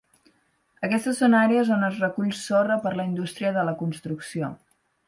Aquestes són àrees on es recull sorra per a la indústria de la construcció.